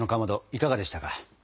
いかがでしたか？